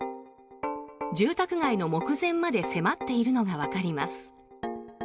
住宅街の目前まで迫っているのがわかります。